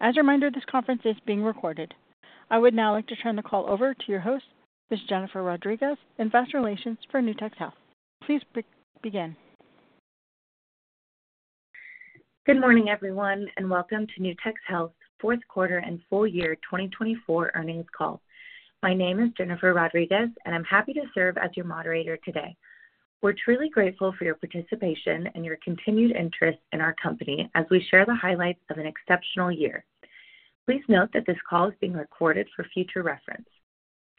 As a reminder, this conference is being recorded. I would now like to turn the call over to your host, Ms. Jennifer Rodriguez, and Investor Relations for Nutex Health. Please begin. Good morning, everyone, and welcome to Nutex Health's fourth quarter and full year 2024 earnings call. My name is Jennifer Rodriguez, and I'm happy to serve as your moderator today. We're truly grateful for your participation and your continued interest in our company as we share the highlights of an exceptional year. Please note that this call is being recorded for future reference.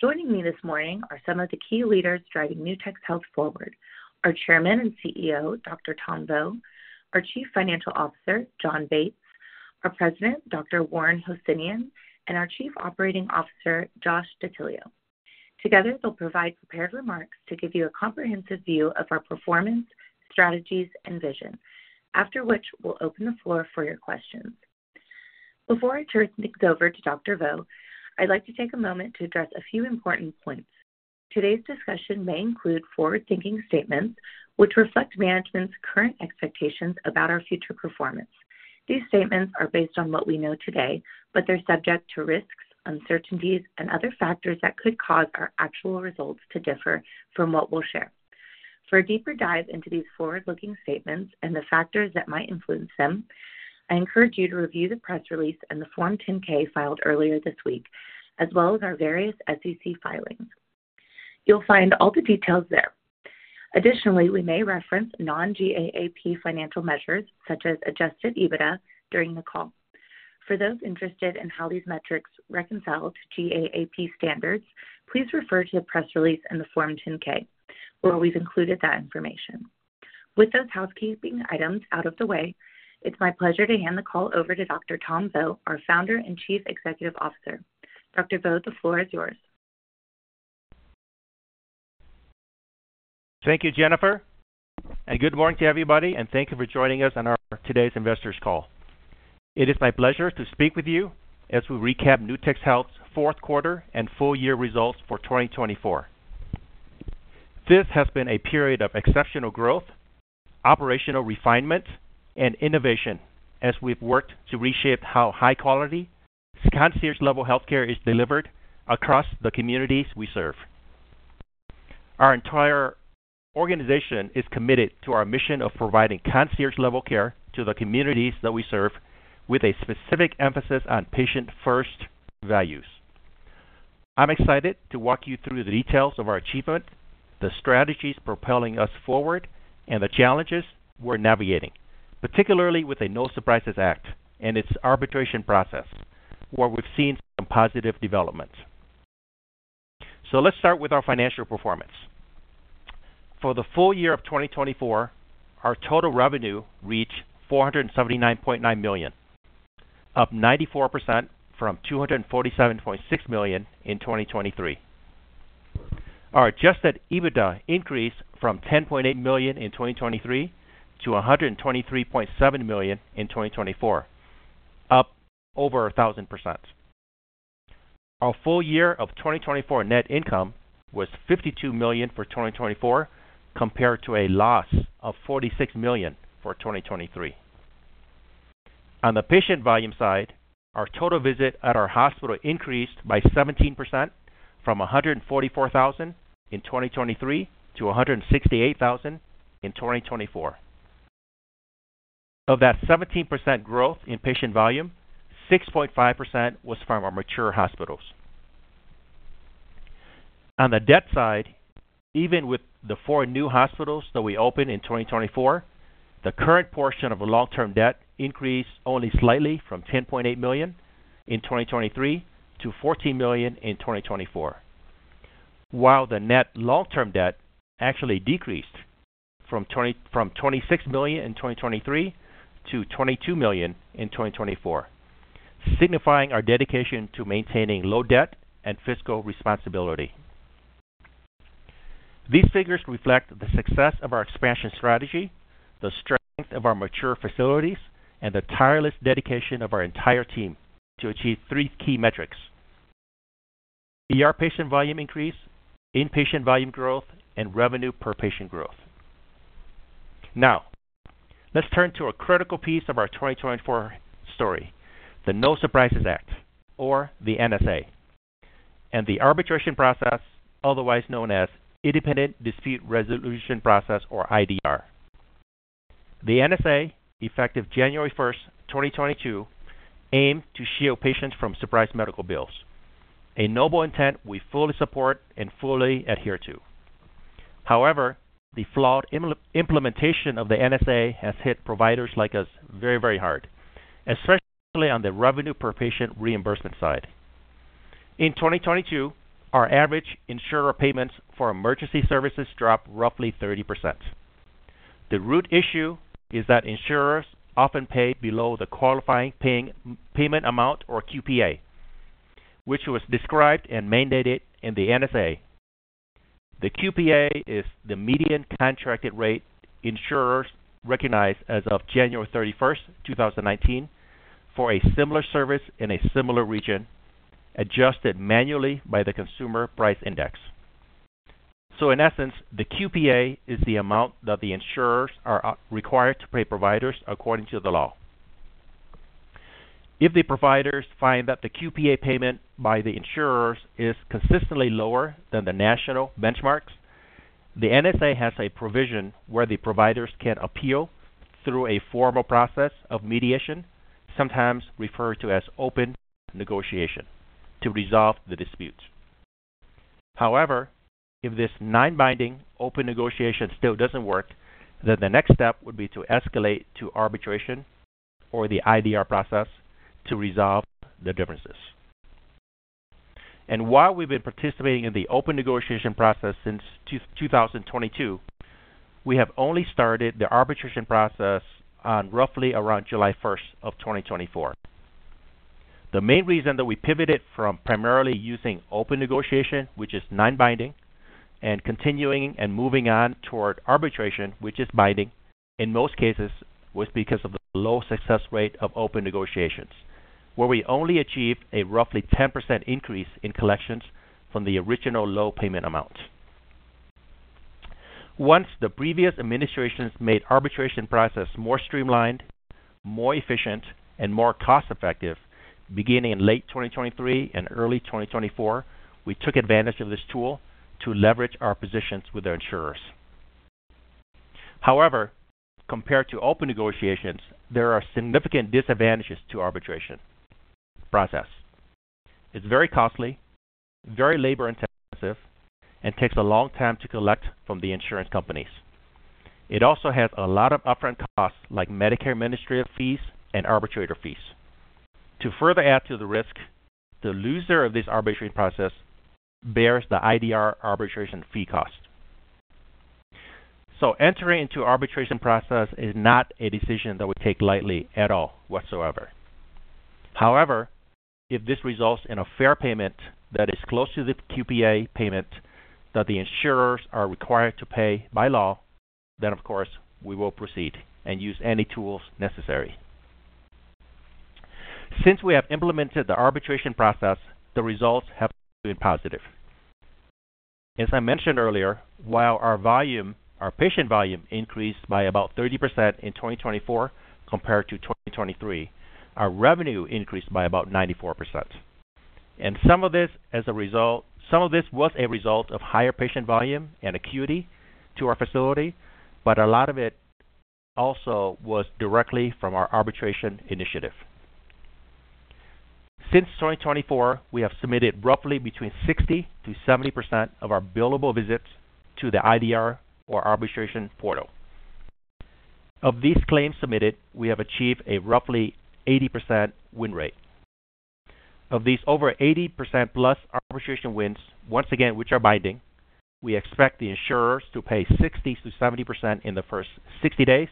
Joining me this morning are some of the key leaders driving Nutex Health forward: our Chairman and CEO, Dr. Tom Vo, our Chief Financial Officer, Jon Bates, our President, Dr. Warren Hosseinion, and our Chief Operating Officer, Josh DeTillio. Together, they'll provide prepared remarks to give you a comprehensive view of our performance, strategies, and vision, after which we'll open the floor for your questions. Before I turn things over to Dr. Vo, I'd like to take a moment to address a few important points. Today's discussion may include forward-looking statements which reflect management's current expectations about our future performance. These statements are based on what we know today, but they're subject to risks, uncertainties, and other factors that could cause our actual results to differ from what we'll share. For a deeper dive into these forward-looking statements and the factors that might influence them, I encourage you to review the press release and the Form 10-K filed earlier this week, as well as our various SEC filings. You'll find all the details there. Additionally, we may reference non-GAAP financial measures such as adjusted EBITDA during the call. For those interested in how these metrics reconcile to GAAP standards, please refer to the press release and the Form 10-K, where we've included that information. With those housekeeping items out of the way, it's my pleasure to hand the call over to Dr. Tom Vo, our Founder and Chief Executive Officer. Dr. Vo, the floor is yours. Thank you, Jennifer. Good morning to everybody, and thank you for joining us on our today's investors' call. It is my pleasure to speak with you as we recap Nutex Health's fourth quarter and full year results for 2024. This has been a period of exceptional growth, operational refinement, and innovation as we've worked to reshape how high-quality, concierge-level healthcare is delivered across the communities we serve. Our entire organization is committed to our mission of providing concierge-level care to the communities that we serve, with a specific emphasis on patient-first values. I'm excited to walk you through the details of our achievement, the strategies propelling us forward, and the challenges we're navigating, particularly with the No Surprises Act and its arbitration process, where we've seen some positive developments. Let's start with our financial performance. For the full year of 2024, our total revenue reached $479.9 million, up 94% from $247.6 million in 2023. Our adjusted EBITDA increased from $10.8 million in 2023 to $123.7 million in 2024, up over 1,000%. Our full year of 2024 net income was $52 million for 2024, compared to a loss of $46 million for 2023. On the patient volume side, our total visit at our hospital increased by 17% from 144,000 in 2023 to 168,000 in 2024. Of that 17% growth in patient volume, 6.5% was from our mature hospitals. On the debt side, even with the four new hospitals that we opened in 2024, the current portion of the long-term debt increased only slightly from $10.8 million in 2023 to $14 million in 2024, while the net long-term debt actually decreased from $26 million in 2023 to $22 million in 2024, signifying our dedication to maintaining low debt and fiscal responsibility. These figures reflect the success of our expansion strategy, the strength of our mature facilities, and the tireless dedication of our entire team to achieve three key metrics: patient volume increase, inpatient volume growth, and revenue per patient growth. Now, let's turn to a critical piece of our 2024 story, the No Surprises Act, or the NSA, and the arbitration process, otherwise known as Independent Dispute Resolution Process, or IDR. The NSA, effective January 1st, 2022, aimed to shield patients from surprise medical bills, a noble intent we fully support and fully adhere to. However, the flawed implementation of the NSA has hit providers like us very, very hard, especially on the revenue per patient reimbursement side. In 2022, our average insurer payments for emergency services dropped roughly 30%. The root issue is that insurers often pay below the qualifying payment amount, or QPA, which was described and mandated in the NSA. The QPA is the median contracted rate insurers recognize as of January 31, 2019, for a similar service in a similar region, adjusted manually by the Consumer Price Index. In essence, the QPA is the amount that the insurers are required to pay providers according to the law. If the providers find that the QPA payment by the insurers is consistently lower than the national benchmarks, the NSA has a provision where the providers can appeal through a formal process of mediation, sometimes referred to as open negotiation, to resolve the disputes. However, if this non-binding open negotiation still doesn't work, the next step would be to escalate to arbitration or the IDR process to resolve the differences. While we've been participating in the open negotiation process since 2022, we have only started the arbitration process on roughly around July 1 of 2024. The main reason that we pivoted from primarily using open negotiation, which is non-binding, and continuing and moving on toward arbitration, which is binding, in most cases, was because of the low success rate of open negotiations, where we only achieved a roughly 10% increase in collections from the original low payment amount. Once the previous administrations made the arbitration process more streamlined, more efficient, and more cost-effective, beginning in late 2023 and early 2024, we took advantage of this tool to leverage our positions with our insurers. However, compared to open negotiations, there are significant disadvantages to the arbitration process. It's very costly, very labor-intensive, and takes a long time to collect from the insurance companies. It also has a lot of upfront costs, like Medicare administrative fees and arbitrator fees. To further add to the risk, the loser of this arbitration process bears the IDR arbitration fee cost. Entering into the arbitration process is not a decision that we take lightly at all, whatsoever. However, if this results in a fair payment that is close to the QPA payment that the insurers are required to pay by law, then, of course, we will proceed and use any tools necessary. Since we have implemented the arbitration process, the results have been positive. As I mentioned earlier, while our volume, our patient volume, increased by about 30% in 2024 compared to 2023, our revenue increased by about 94%. Some of this as a result, some of this was a result of higher patient volume and acuity to our facility, but a lot of it also was directly from our arbitration initiative. Since 2024, we have submitted roughly between 60%-70% of our billable visits to the IDR or arbitration portal. Of these claims submitted, we have achieved a roughly 80% win rate. Of these over 80% plus arbitration wins, once again, which are binding, we expect the insurers to pay 60%-70% in the first 60 days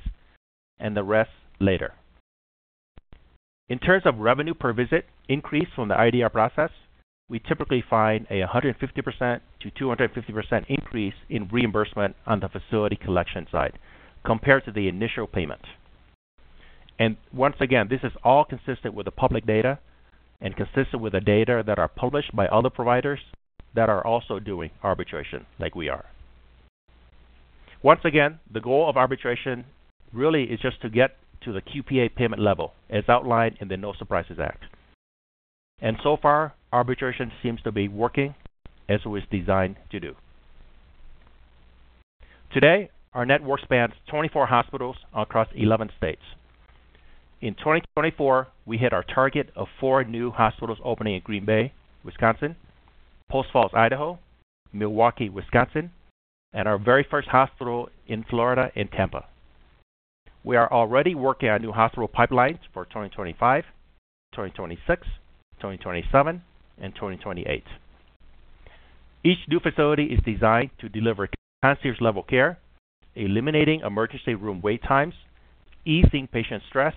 and the rest later. In terms of revenue per visit increase from the IDR process, we typically find a 150%-250% increase in reimbursement on the facility collection side compared to the initial payment. Once again, this is all consistent with the public data and consistent with the data that are published by other providers that are also doing arbitration like we are. Once again, the goal of arbitration really is just to get to the QPA payment level as outlined in the No Surprises Act. So far, arbitration seems to be working as it was designed to do. Today, our network spans 24 hospitals across 11 states. In 2024, we hit our target of four new hospitals opening in Green Bay, Wisconsin, Post Falls, Idaho, Milwaukee, Wisconsin, and our very first hospital in Florida in Tampa. We are already working on new hospital pipelines for 2025, 2026, 2027, and 2028. Each new facility is designed to deliver concierge-level care, eliminating emergency room wait times, easing patient stress,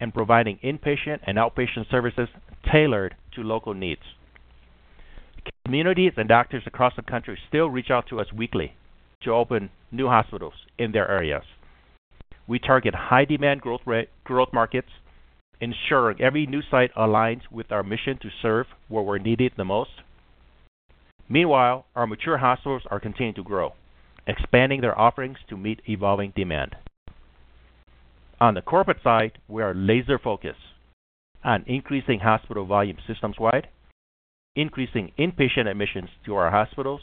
and providing inpatient and outpatient services tailored to local needs. Communities and doctors across the country still reach out to us weekly to open new hospitals in their areas. We target high-demand growth markets, ensuring every new site aligns with our mission to serve where we're needed the most. Meanwhile, our mature hospitals are continuing to grow, expanding their offerings to meet evolving demand. On the corporate side, we are laser-focused on increasing hospital volume systems-wide, increasing inpatient admissions to our hospitals,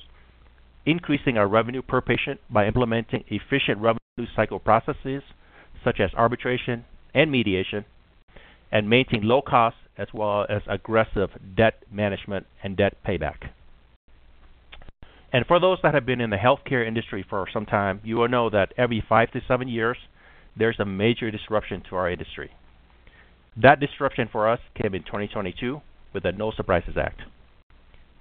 increasing our revenue per patient by implementing efficient revenue cycle processes such as arbitration and mediation, and maintaining low costs as well as aggressive debt management and debt payback. For those that have been in the healthcare industry for some time, you will know that every five to seven years, there is a major disruption to our industry. That disruption for us came in 2022 with the No Surprises Act.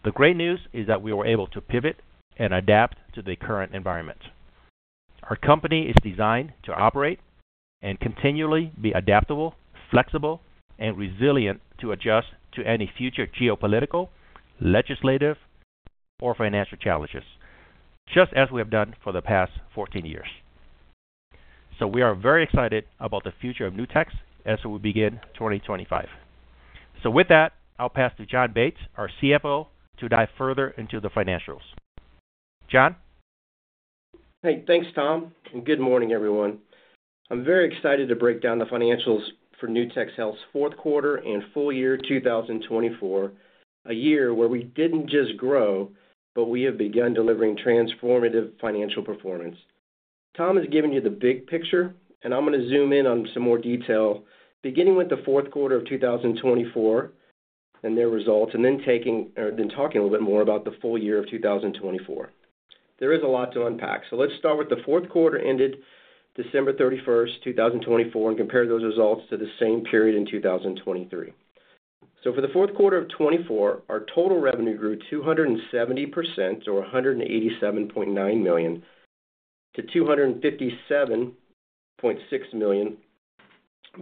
The great news is that we were able to pivot and adapt to the current environment. Our company is designed to operate and continually be adaptable, flexible, and resilient to adjust to any future geopolitical, legislative, or financial challenges, just as we have done for the past 14 years. We are very excited about the future of Nutex as we begin 2025. With that, I will pass to Jon Bates, our CFO, to dive further into the financials. Jon? Hey, thanks, Tom. Good morning, everyone. I'm very excited to break down the financials for Nutex Health's fourth quarter and full year 2024, a year where we didn't just grow, but we have begun delivering transformative financial performance. Tom has given you the big picture, and I'm going to zoom in on some more detail, beginning with the fourth quarter of 2024 and their results, and then talking a little bit more about the full year of 2024. There is a lot to unpack. Let's start with the fourth quarter ended December 31, 2024, and compare those results to the same period in 2023. For the fourth quarter of 2024, our total revenue grew 270%, or $187.9 million, to $257.6 million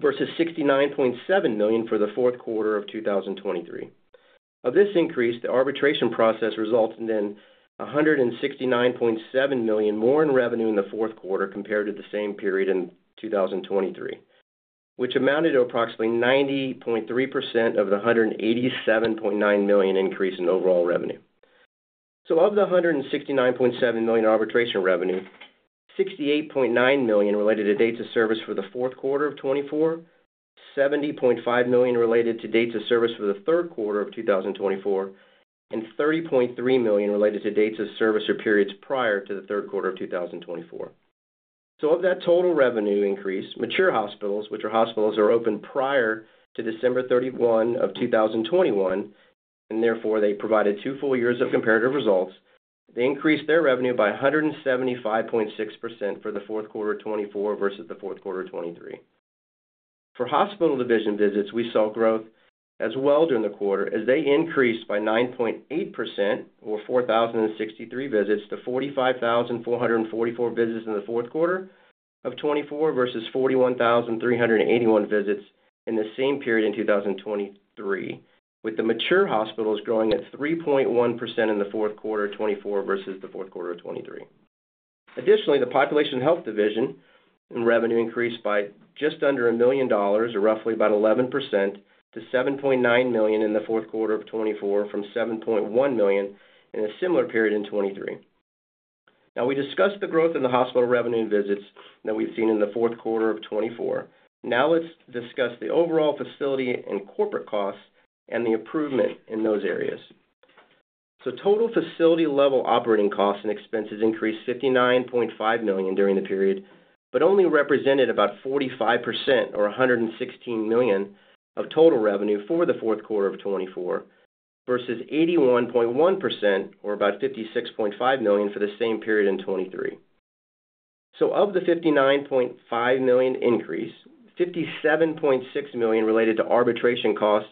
versus $69.7 million for the fourth quarter of 2023. Of this increase, the arbitration process resulted in $169.7 million more in revenue in the fourth quarter compared to the same period in 2023, which amounted to approximately 90.3% of the $187.9 million increase in overall revenue. Of the $169.7 million arbitration revenue, $68.9 million related to dates of service for the fourth quarter of 2024, $70.5 million related to dates of service for the third quarter of 2024, and $30.3 million related to dates of service or periods prior to the third quarter of 2024. Of that total revenue increase, mature hospitals, which are hospitals that were open prior to December 31, 2021, and therefore they provided two full years of comparative results, increased their revenue by 175.6% for the fourth quarter of 2024 versus the fourth quarter of 2023. For hospital division visits, we saw growth as well during the quarter as they increased by 9.8%, or 4,063 visits, to 45,444 visits in the fourth quarter of 2024 versus 41,381 visits in the same period in 2023, with the mature hospitals growing at 3.1% in the fourth quarter of 2024 versus the fourth quarter of 2023. Additionally, the population health division revenue increased by just under $1 million, or roughly about 11%, to $7.9 million in the fourth quarter of 2024 from $7.1 million in a similar period in 2023. Now, we discussed the growth in the hospital revenue and visits that we've seen in the fourth quarter of 2024. Now let's discuss the overall facility and corporate costs and the improvement in those areas. Total facility-level operating costs and expenses increased $59.5 million during the period, but only represented about 45%, or $116 million, of total revenue for the fourth quarter of 2024 versus 81.1%, or about $56.5 million for the same period in 2023. Of the $59.5 million increase, $57.6 million related to arbitration costs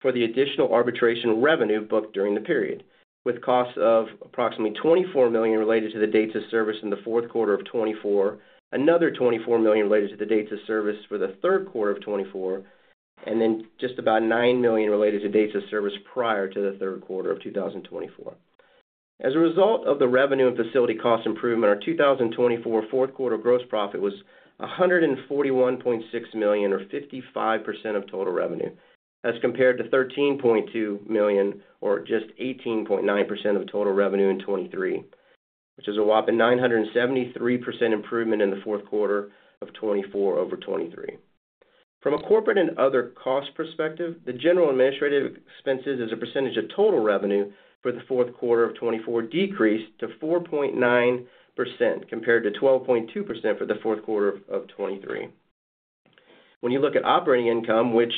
for the additional arbitration revenue booked during the period, with costs of approximately $24 million related to the dates of service in the fourth quarter of 2024, another $24 million related to the dates of service for the third quarter of 2024, and just about $9 million related to dates of service prior to the third quarter of 2024. As a result of the revenue and facility cost improvement, our 2024 fourth quarter gross profit was $141.6 million, or 55% of total revenue, as compared to $13.2 million, or just 18.9% of total revenue in 2023, which is a whopping 973% improvement in the fourth quarter of 2024 over 2023. From a corporate and other cost perspective, the general administrative expenses as a percentage of total revenue for the fourth quarter of 2024 decreased to 4.9% compared to 12.2% for the fourth quarter of 2023. When you look at operating income, which,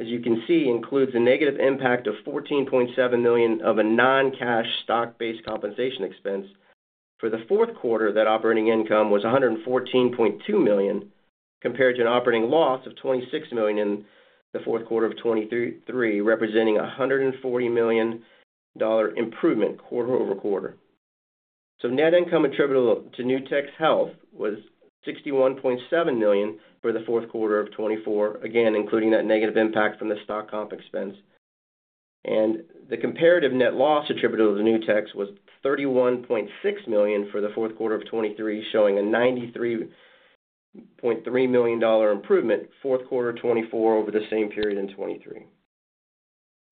as you can see, includes a negative impact of $14.7 million of a non-cash stock-based compensation expense, for the fourth quarter, that operating income was $114.2 million compared to an operating loss of $26 million in the fourth quarter of 2023, representing a $140 million improvement quarter over quarter. Net income attributable to Nutex Health was $61.7 million for the fourth quarter of 2024, again, including that negative impact from the stock-comp expense. The comparative net loss attributable to Nutex was $31.6 million for the fourth quarter of 2023, showing a $93.3 million improvement fourth quarter of 2024 over the same period in 2023.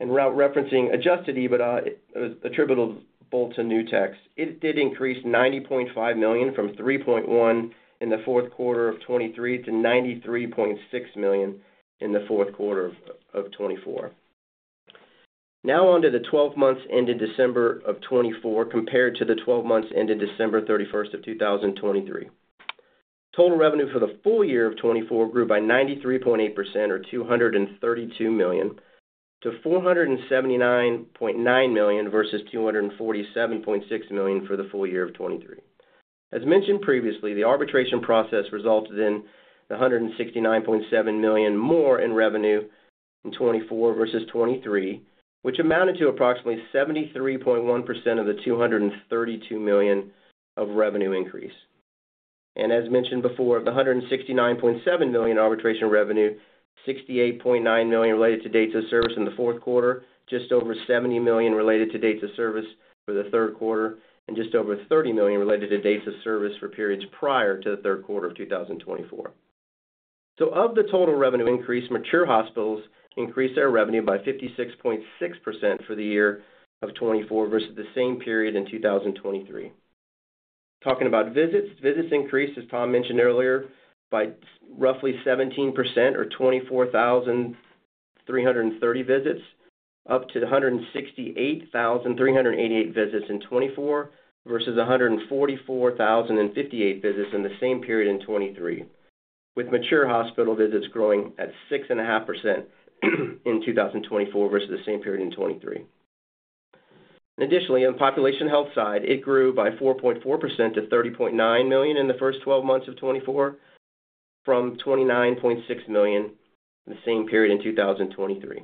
Without referencing adjusted EBITDA attributable to Nutex, it did increase $90.5 million from $3.1 million in the fourth quarter of 2023 to $93.6 million in the fourth quarter of 2024. Now on to the 12 months ended December of 2024 compared to the 12 months ended December 31 of 2023. Total revenue for the full year of 2024 grew by 93.8%, or $232 million, to $479.9 million versus $247.6 million for the full year of 2023. As mentioned previously, the arbitration process resulted in $169.7 million more in revenue in 2024 versus 2023, which amounted to approximately 73.1% of the $232 million of revenue increase. As mentioned before, of the $169.7 million arbitration revenue, $68.9 million related to dates of service in the fourth quarter, just over $70 million related to dates of service for the third quarter, and just over $30 million related to dates of service for periods prior to the third quarter of 2024. Of the total revenue increase, mature hospitals increased their revenue by 56.6% for the year of 2024 versus the same period in 2023. Talking about visits, visits increased, as Tom mentioned earlier, by roughly 17%, or 24,330 visits, up to 168,388 visits in 2024 versus 144,058 visits in the same period in 2023, with mature hospital visits growing at 6.5% in 2024 versus the same period in 2023. Additionally, on the population health side, it grew by 4.4% to $30.9 million in the first 12 months of 2024 from $29.6 million the same period in 2023.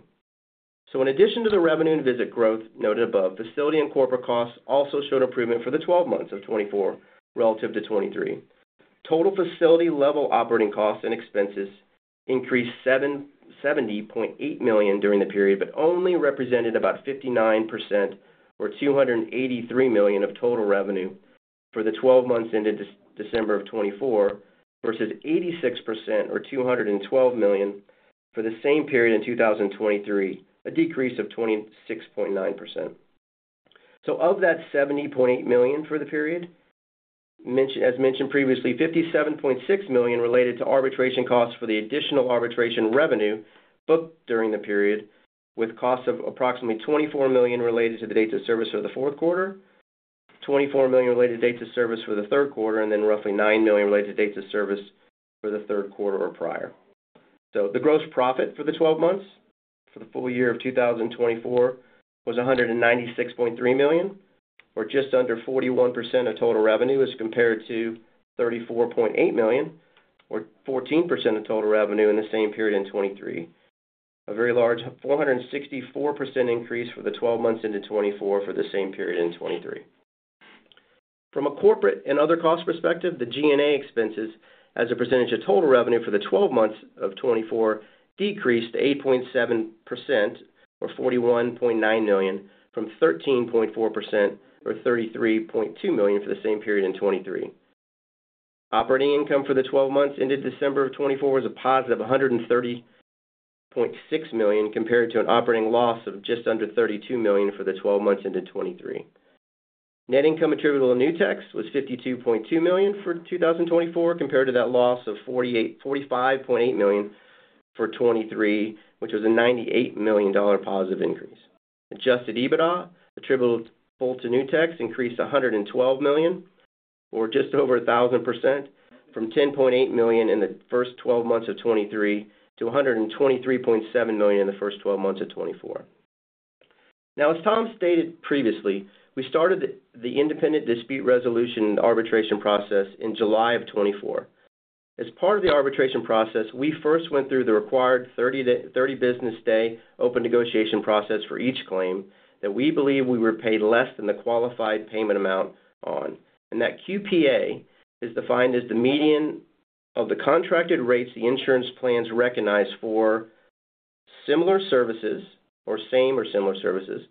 In addition to the revenue and visit growth noted above, facility and corporate costs also showed improvement for the 12 months of 2024 relative to 2023. Total facility-level operating costs and expenses increased $70.8 million during the period, but only represented about 59%, or $283 million of total revenue for the 12 months ended December of 2024 versus 86%, or $212 million for the same period in 2023, a decrease of 26.9%. Of that $70.8 million for the period, as mentioned previously, $57.6 million related to arbitration costs for the additional arbitration revenue booked during the period, with costs of approximately $24 million related to the dates of service for the fourth quarter, $24 million related to dates of service for the third quarter, and then roughly $9 million related to dates of service for the third quarter or prior. The gross profit for the 12 months for the full year of 2024 was $196.3 million, or just under 41% of total revenue, as compared to $34.8 million, or 14% of total revenue in the same period in 2023, a very large 464% increase for the 12 months into 2024 for the same period in 2023. From a corporate and other cost perspective, the G&A expenses, as a percentage of total revenue for the 12 months of 2024, decreased to 8.7%, or $41.9 million, from 13.4%, or $33.2 million for the same period in 2023. Operating income for the 12 months ended December of 2024 was a positive $130.6 million compared to an operating loss of just under $32 million for the 12 months ended 2023. Net income attributable to Nutex was $52.2 million for 2024 compared to that loss of $45.8 million for 2023, which was a $98 million positive increase. Adjusted EBITDA attributable to Nutex increased $112 million, or just over 1,000%, from $10.8 million in the first 12 months of 2023 to $123.7 million in the first 12 months of 2024. Now, as Tom stated previously, we started the independent dispute resolution arbitration process in July of 2024. As part of the arbitration process, we first went through the required 30-business-day open negotiation process for each claim that we believe we were paid less than the qualifying payment amount on, and that QPA is defined as the median of the contracted rates the insurance plans recognize for similar services, or same or similar services,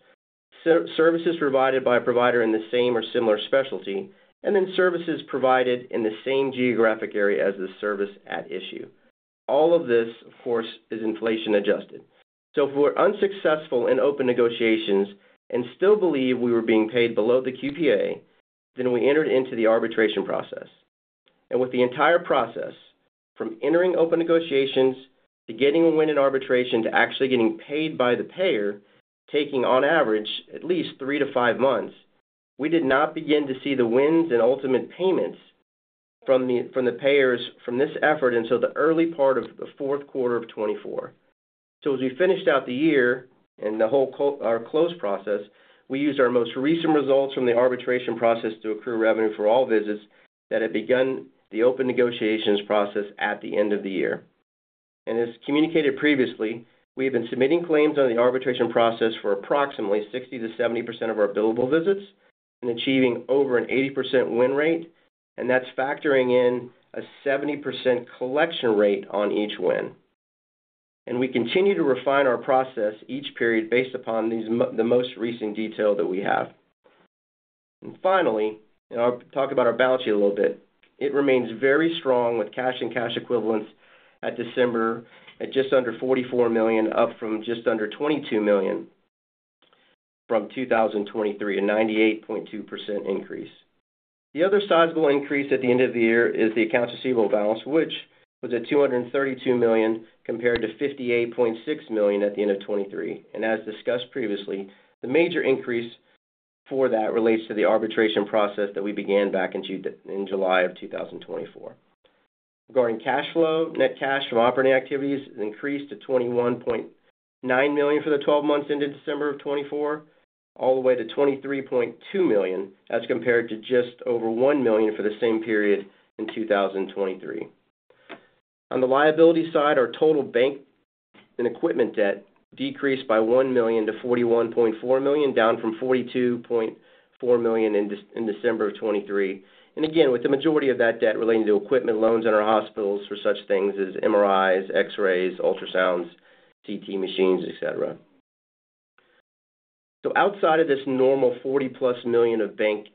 services provided by a provider in the same or similar specialty, and then services provided in the same geographic area as the service at issue. All of this, of course, is inflation-adjusted. If we were unsuccessful in open negotiations and still believed we were being paid below the QPA, we entered into the arbitration process. With the entire process, from entering open negotiations to getting a win in arbitration to actually getting paid by the payer, taking on average at least three to five months, we did not begin to see the wins and ultimate payments from the payers from this effort until the early part of the fourth quarter of 2024. As we finished out the year and the whole or close process, we used our most recent results from the arbitration process to accrue revenue for all visits that had begun the open negotiations process at the end of the year. As communicated previously, we have been submitting claims on the arbitration process for approximately 60%-70% of our billable visits and achieving over an 80% win rate, and that's factoring in a 70% collection rate on each win. We continue to refine our process each period based upon the most recent detail that we have. Finally, I'll talk about our balance sheet a little bit. It remains very strong with cash and cash equivalents at December at just under $44 million, up from just under $22 million from 2023, a 98.2% increase. The other sizable increase at the end of the year is the accounts receivable balance, which was at $232 million compared to $58.6 million at the end of 2023. As discussed previously, the major increase for that relates to the arbitration process that we began back in July of 2024. Regarding cash flow, net cash from operating activities increased to $21.9 million for the 12 months ended December of 2024, all the way to $23.2 million, as compared to just over $1 million for the same period in 2023. On the liability side, our total bank and equipment debt decreased by $1 million to $41.4 million, down from $42.4 million in December of 2023. With the majority of that debt relating to equipment loans on our hospitals for such things as MRIs, X-rays, ultrasounds, CT machines, etc. Outside of this normal $40 million-plus of bank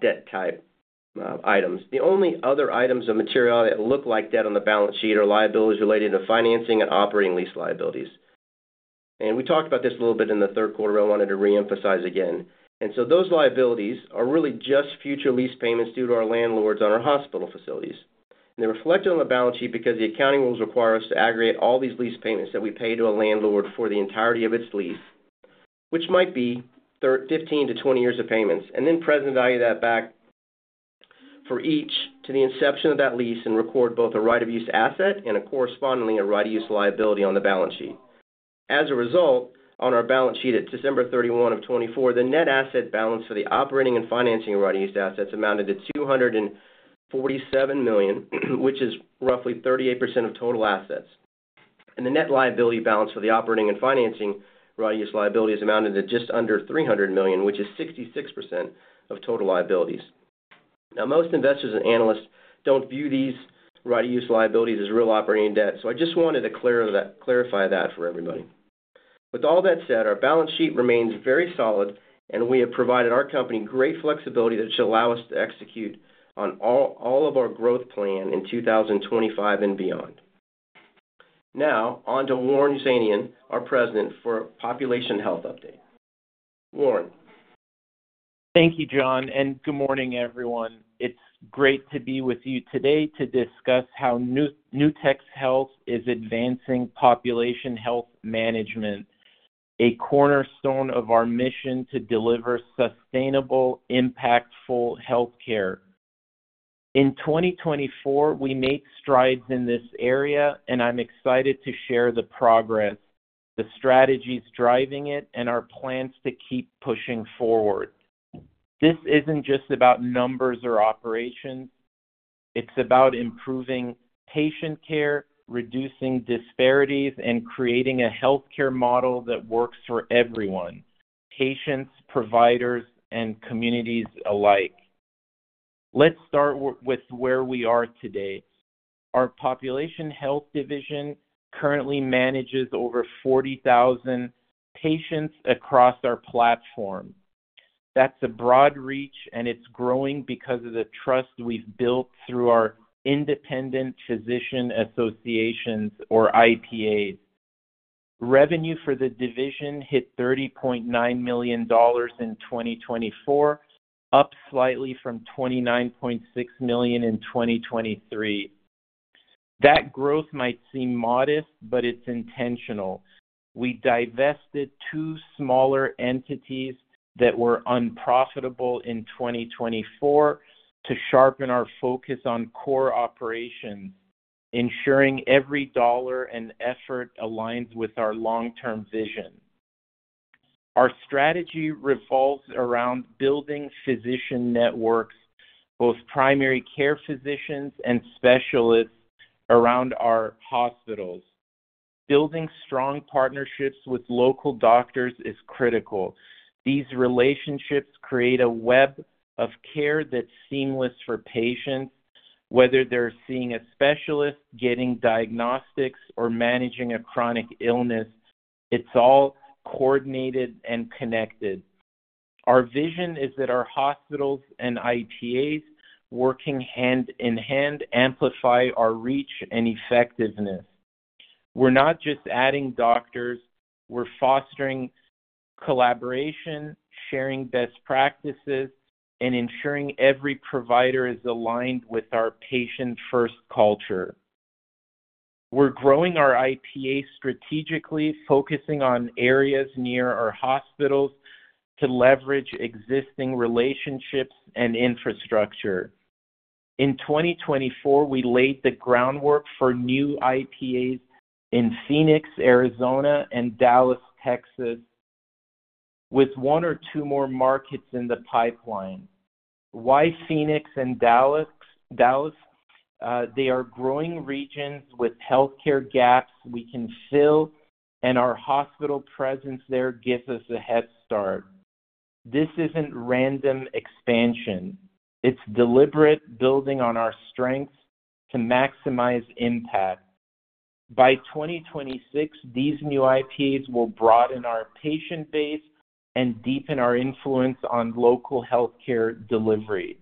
debt type items, the only other items of material that look like debt on the balance sheet are liabilities related to financing and operating lease liabilities. We talked about this a little bit in the third quarter but I wanted to reemphasize again. Those liabilities are really just future lease payments due to our landlords on our hospital facilities. They're reflected on the balance sheet because the accounting rules require us to aggregate all these lease payments that we pay to a landlord for the entirety of its lease, which might be 15-20 years of payments, and then present value that back for each to the inception of that lease and record both a right-of-use asset and correspondingly a right-of-use liability on the balance sheet. As a result, on our balance sheet at December 31 of 2024, the net asset balance for the operating and financing right-of-use assets amounted to $247 million, which is roughly 38% of total assets. The net liability balance for the operating and financing right-of-use liabilities amounted to just under $300 million, which is 66% of total liabilities. Now, most investors and analysts do not view these right-of-use liabilities as real operating debt, so I just wanted to clarify that for everybody. With all that said, our balance sheet remains very solid, and we have provided our company great flexibility that should allow us to execute on all of our growth plan in 2025 and beyond. Now, on to Warren Hosseinion, our President, for a population health update. Warren. Thank you, Jon, and good morning, everyone. It is great to be with you today to discuss how Nutex Health is advancing population health management, a cornerstone of our mission to deliver sustainable, impactful healthcare. In 2024, we made strides in this area, and I am excited to share the progress, the strategies driving it, and our plans to keep pushing forward. This is not just about numbers or operations. It's about improving patient care, reducing disparities, and creating a healthcare model that works for everyone: patients, providers, and communities alike. Let's start with where we are today. Our population health division currently manages over 40,000 patients across our platform. That's a broad reach, and it's growing because of the trust we've built through our independent physician associations, or IPAs. Revenue for the division hit $30.9 million in 2024, up slightly from $29.6 million in 2023. That growth might seem modest, but it's intentional. We divested two smaller entities that were unprofitable in 2024 to sharpen our focus on core operations, ensuring every dollar and effort aligns with our long-term vision. Our strategy revolves around building physician networks, both primary care physicians and specialists, around our hospitals. Building strong partnerships with local doctors is critical. These relationships create a web of care that's seamless for patients, whether they're seeing a specialist, getting diagnostics, or managing a chronic illness. It's all coordinated and connected. Our vision is that our hospitals and IPAs, working hand in hand, amplify our reach and effectiveness. We're not just adding doctors. We're fostering collaboration, sharing best practices, and ensuring every provider is aligned with our patient-first culture. We're growing our IPA strategically, focusing on areas near our hospitals to leverage existing relationships and infrastructure. In 2024, we laid the groundwork for new IPAs in Phoenix, Arizona, and Dallas, Texas, with one or two more markets in the pipeline. Why Phoenix and Dallas? They are growing regions with healthcare gaps we can fill, and our hospital presence there gives us a head start. This isn't random expansion. It's deliberate building on our strengths to maximize impact. By 2026, these new IPAs will broaden our patient base and deepen our influence on local healthcare delivery.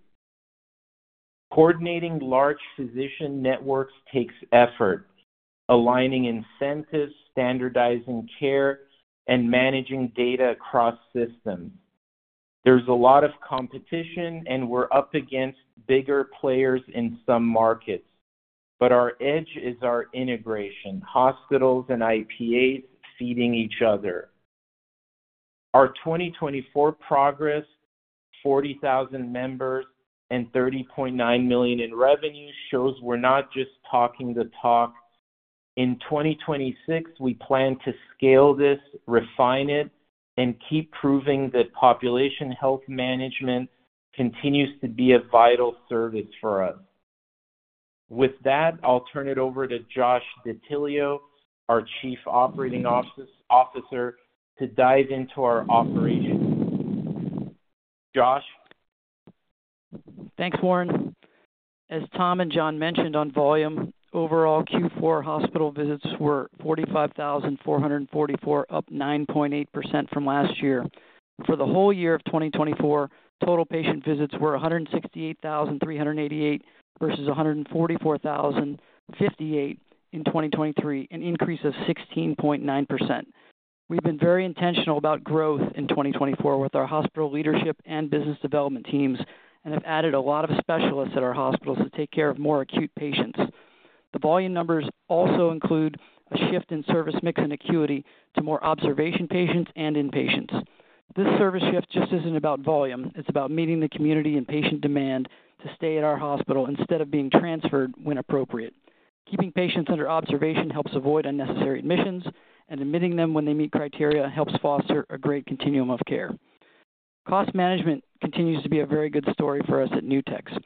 Coordinating large physician networks takes effort, aligning incentives, standardizing care, and managing data across systems. There's a lot of competition, and we're up against bigger players in some markets, but our edge is our integration: hospitals and IPAs feeding each other. Our 2024 progress, 40,000 members and $30.9 million in revenue, shows we're not just talking the talk. In 2026, we plan to scale this, refine it, and keep proving that population health management continues to be a vital service for us. With that, I'll turn it over to Josh DeTillio, our Chief Operating Officer, to dive into our operations. Josh. Thanks, Warren. As Tom and Jon mentioned on volume, overall Q4 hospital visits were 45,444, up 9.8% from last year. For the whole year of 2024, total patient visits were 168,388 versus 144,058 in 2023, an increase of 16.9%. We've been very intentional about growth in 2024 with our hospital leadership and business development teams and have added a lot of specialists at our hospitals to take care of more acute patients. The volume numbers also include a shift in service mix and acuity to more observation patients and inpatients. This service shift just isn't about volume. It's about meeting the community and patient demand to stay at our hospital instead of being transferred when appropriate. Keeping patients under observation helps avoid unnecessary admissions, and admitting them when they meet criteria helps foster a great continuum of care. Cost management continues to be a very good story for us at Nutex.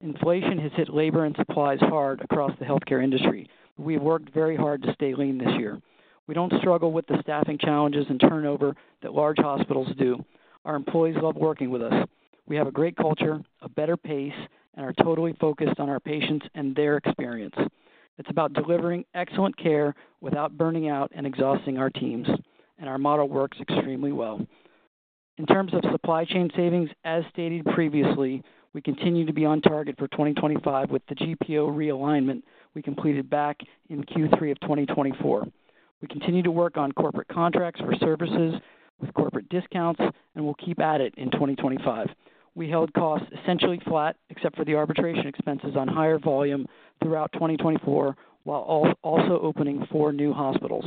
Inflation has hit labor and supplies hard across the healthcare industry. We've worked very hard to stay lean this year. We don't struggle with the staffing challenges and turnover that large hospitals do. Our employees love working with us. We have a great culture, a better pace, and are totally focused on our patients and their experience. It's about delivering excellent care without burning out and exhausting our teams, and our model works extremely well. In terms of supply chain savings, as stated previously, we continue to be on target for 2025 with the GPO realignment we completed back in Q3 of 2024. We continue to work on corporate contracts for services with corporate discounts, and we'll keep at it in 2025. We held costs essentially flat except for the arbitration expenses on higher volume throughout 2024 while also opening four new hospitals.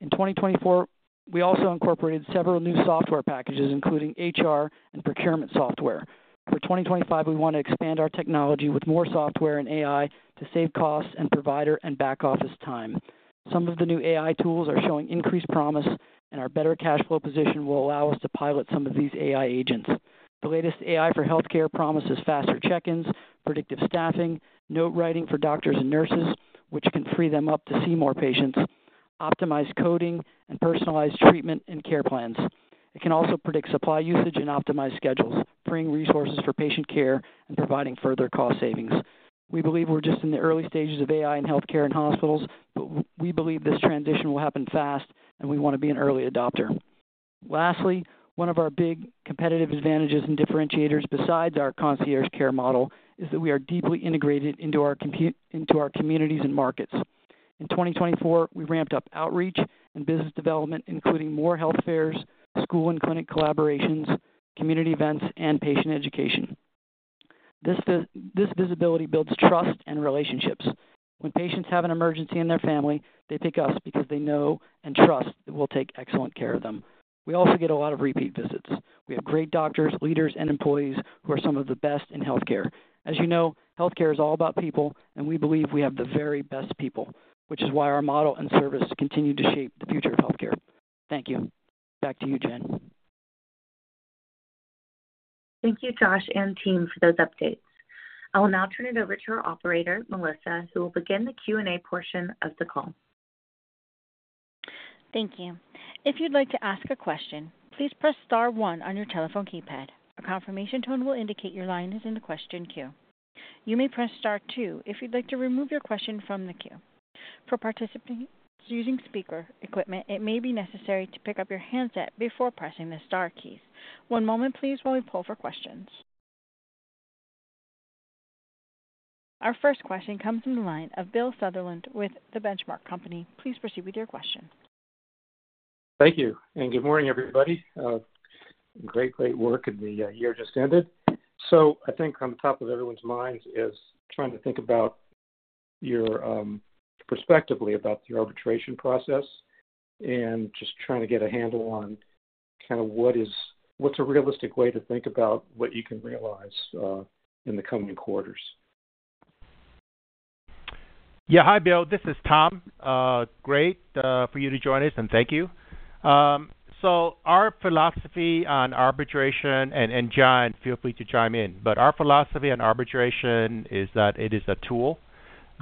In 2024, we also incorporated several new software packages, including HR and procurement software. For 2025, we want to expand our technology with more software and AI to save costs and provider and back office time. Some of the new AI tools are showing increased promise, and our better cash flow position will allow us to pilot some of these AI agents. The latest AI for healthcare promises faster check-ins, predictive staffing, note writing for doctors and nurses, which can free them up to see more patients, optimized coding, and personalized treatment and care plans. It can also predict supply usage and optimize schedules, freeing resources for patient care and providing further cost savings. We believe we're just in the early stages of AI in healthcare and hospitals, but we believe this transition will happen fast, and we want to be an early adopter. Lastly, one of our big competitive advantages and differentiators besides our concierge care model is that we are deeply integrated into our communities and markets. In 2024, we ramped up outreach and business development, including more health fairs, school and clinic collaborations, community events, and patient education. This visibility builds trust and relationships. When patients have an emergency in their family, they pick us because they know and trust that we'll take excellent care of them. We also get a lot of repeat visits. We have great doctors, leaders, and employees who are some of the best in healthcare. As you know, healthcare is all about people, and we believe we have the very best people, which is why our model and service continue to shape the future of healthcare. Thank you. Back to you, Jen. Thank you, Josh and team, for those updates. I'll now turn it over to our operator, Melissa, who will begin the Q&A portion of the call. Thank you. If you'd like to ask a question, please press star one on your telephone keypad. A confirmation tone will indicate your line is in the question queue. You may press star two if you'd like to remove your question from the queue. For participants using speaker equipment, it may be necessary to pick up your handset before pressing the star keys. One moment, please, while we pull for questions. Our first question comes from the line of Bill Sutherland with The Benchmark Company. Please proceed with your question. Thank you. Good morning, everybody. Great, great work, and the year just ended. I think on the top of everyone's mind is trying to think about your perspective about the arbitration process and just trying to get a handle on kind of what's a realistic way to think about what you can realize in the coming quarters. Yeah. Hi, Bill. This is Tom. Great for you to join us, and thank you. Our philosophy on arbitration, and Jon, feel free to chime in, but our philosophy on arbitration is that it is a tool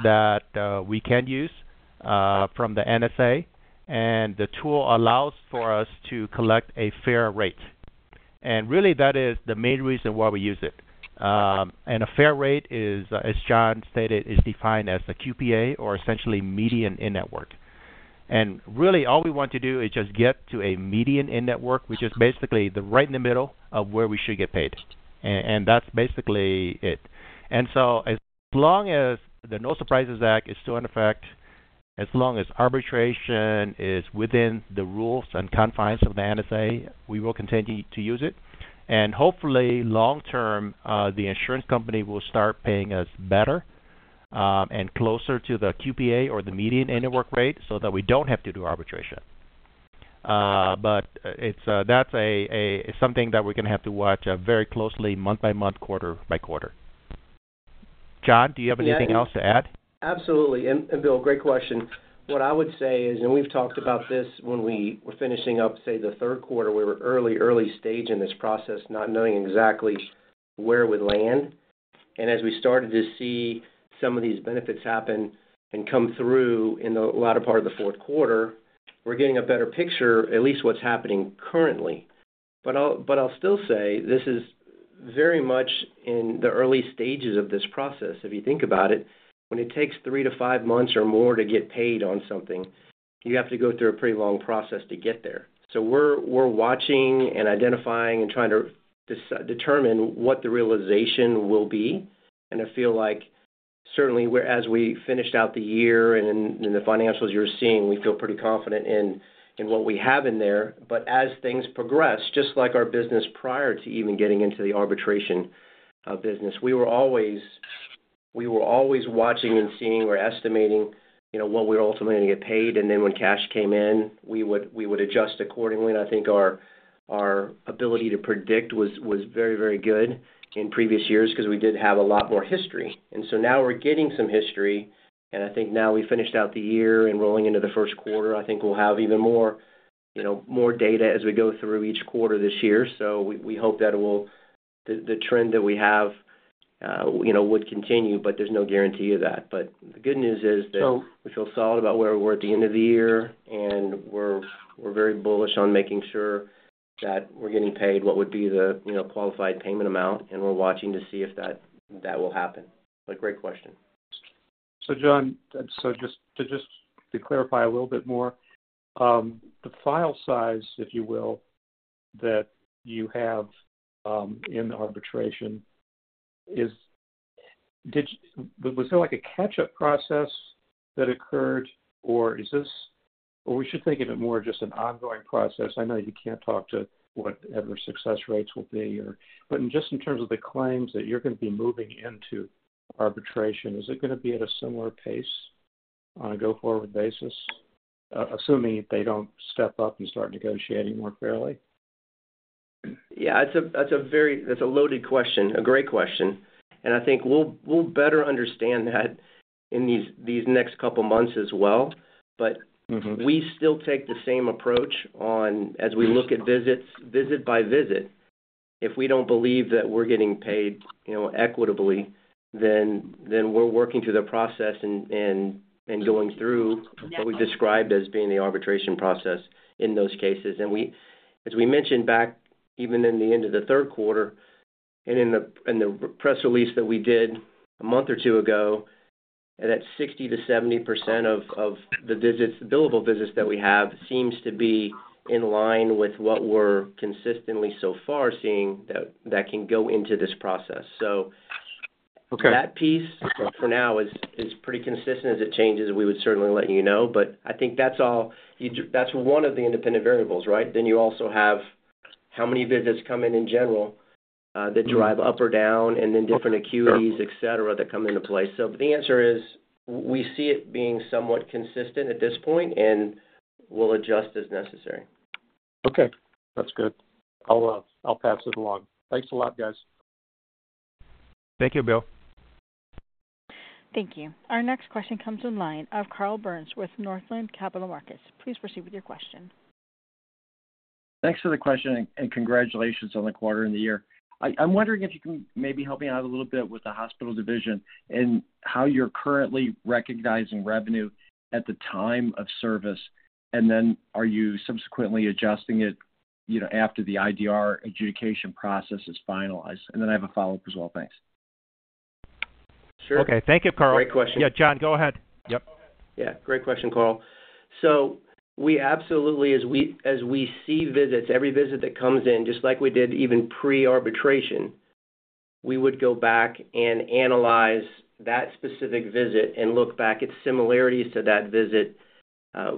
that we can use from the NSA, and the tool allows for us to collect a fair rate. Really, that is the main reason why we use it. A fair rate is, as Jon stated, defined as a QPA or essentially median in-network. Really, all we want to do is just get to a median in-network, which is basically right in the middle of where we should get paid. That is basically it. As long as the No Surprises Act is still in effect, as long as arbitration is within the rules and confines of the NSA, we will continue to use it. Hopefully, long term, the insurance company will start paying us better and closer to the QPA or the median in-network rate so that we do not have to do arbitration. That is something that we are going to have to watch very closely, month-by-month, quarter-by-quarter. Jon, do you have anything else to add? Absolutely. Bill, great question. What I would say is, and we've talked about this when we were finishing up, say, the third quarter, we were early, early stage in this process, not knowing exactly where we'd land. As we started to see some of these benefits happen and come through in the latter part of the fourth quarter, we're getting a better picture, at least what's happening currently. I'll still say this is very much in the early stages of this process. If you think about it, when it takes three to five months or more to get paid on something, you have to go through a pretty long process to get there. We're watching and identifying and trying to determine what the realization will be. I feel like certainly, as we finished out the year and the financials you're seeing, we feel pretty confident in what we have in there. As things progress, just like our business prior to even getting into the arbitration business, we were always watching and seeing or estimating what we were ultimately going to get paid. When cash came in, we would adjust accordingly. I think our ability to predict was very, very good in previous years because we did have a lot more history. Now we're getting some history. I think now we finished out the year and rolling into the first quarter, I think we'll have even more data as we go through each quarter this year. We hope that the trend that we have would continue, but there's no guarantee of that. The good news is that we feel solid about where we were at the end of the year, and we're very bullish on making sure that we're getting paid what would be the qualifying payment amount. We're watching to see if that will happen. Great question. Jon, just to clarify a little bit more, the file size, if you will, that you have in the arbitration, was there a catch-up process that occurred, or is this—or should we think of it more as just an ongoing process? I know you can't talk to whatever success rates will be, but just in terms of the claims that you're going to be moving into arbitration, is it going to be at a similar pace on a go-forward basis, assuming they don't step up and start negotiating more fairly? Yeah. That's a loaded question, a great question. I think we'll better understand that in these next couple of months as well. We still take the same approach as we look at visits visit by visit. If we don't believe that we're getting paid equitably, then we're working through the process and going through what we've described as being the arbitration process in those cases. As we mentioned back, even in the end of the third quarter and in the press release that we did a month or two ago, that 60%-70% of the billable visits that we have seems to be in line with what we're consistently so far seeing that can go into this process. That piece for now is pretty consistent. As it changes, we would certainly let you know. I think that's one of the independent variables, right? You also have how many visits come in in general that drive up or down, and then different acuities, etc., that come into play. The answer is we see it being somewhat consistent at this point, and we'll adjust as necessary. Okay. That's good. I'll pass it along. Thanks a lot, guys. Thank you, Bill. Thank you. Our next question comes in line of Carl Byrnes with Northland Capital Markets. Please proceed with your question. Thanks for the question, and congratulations on the quarter and the year. I'm wondering if you can maybe help me out a little bit with the hospital division and how you're currently recognizing revenue at the time of service, and then are you subsequently adjusting it after the IDR adjudication process is finalized. I have a follow-up as well. Thanks. Sure. Okay. Thank you, Carl. Great question. Yeah. Jon, go ahead. Yep. Yeah. Great question, Carl. We absolutely, as we see visits, every visit that comes in, just like we did even pre-arbitration, we would go back and analyze that specific visit and look back at similarities to that visit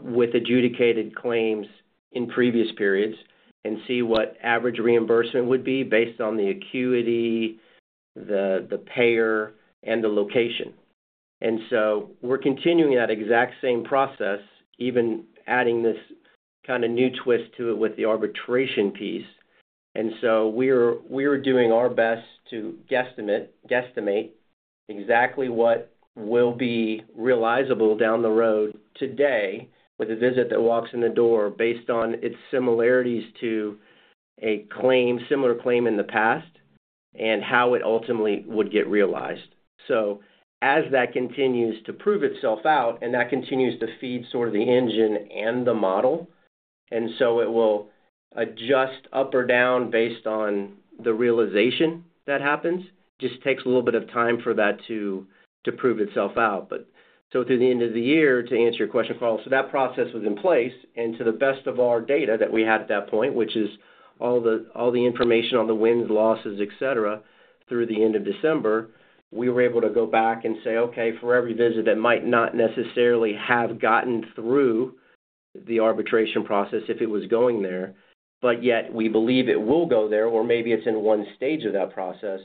with adjudicated claims in previous periods and see what average reimbursement would be based on the acuity, the payer, and the location. We're continuing that exact same process, even adding this kind of new twist to it with the arbitration piece. We're doing our best to guesstimate exactly what will be realizable down the road today with a visit that walks in the door based on its similarities to a similar claim in the past and how it ultimately would get realized. As that continues to prove itself out, and that continues to feed sort of the engine and the model, it will adjust up or down based on the realization that happens. It just takes a little bit of time for that to prove itself out. To the end of the year, to answer your question, Carl, that process was in place. To the best of our data that we had at that point, which is all the information on the wins, losses, etc., through the end of December, we were able to go back and say, "Okay, for every visit that might not necessarily have gotten through the arbitration process if it was going there, but yet we believe it will go there, or maybe it's in one stage of that process."